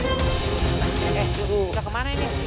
eh eh elah kemana ini